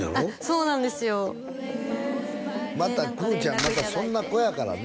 そうなんですよまたくぅちゃんそんな子やからね